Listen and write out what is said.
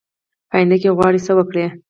په آینده کې غواړي څه وکړي ؟